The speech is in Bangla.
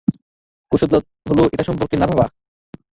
কৌশলটা হলো এটা সম্পর্কে না ভাবা।